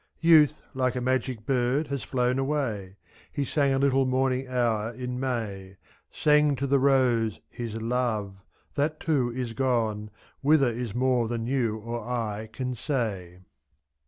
Youth, like a magic bird, has flown away. He sang a little morning hour in May, 7. Sang to the Rose, his love, that too is gone— Whither is more than you or I can say.